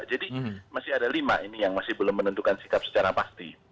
jadi masih ada lima ini yang masih belum menentukan sikap secara pasti